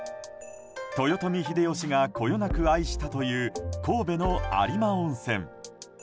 豊臣秀吉がこよなく愛したという神戸の有馬温泉。